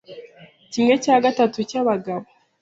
kimwe cya gatatu cy'abagabo